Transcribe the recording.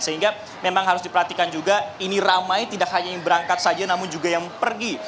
sehingga memang harus diperhatikan juga ini ramai tidak hanya yang berangkat saja namun juga yang pergi